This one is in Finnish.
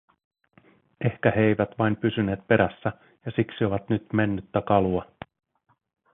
Ehkä he eivät vain pysyneet perässä, ja siksi ovat nyt mennyttä kalua.